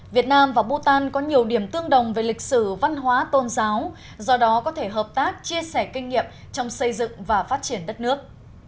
việt nam và bhutan có nhiều điểm tương đồng về lịch sử văn hóa tôn giáo do đó có thể hợp tác chia sẻ kinh nghiệm trong xây dựng và phát triển đất nước